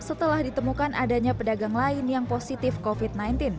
setelah ditemukan adanya pedagang lain yang positif covid sembilan belas